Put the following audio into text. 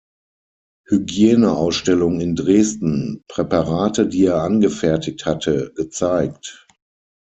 Hygieneausstellung in Dresden Präparate, die er angefertigt hatte, gezeigt.